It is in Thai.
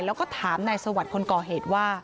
แล้วก็ถามนายสวัสดิ์คนก่อเหตุว่า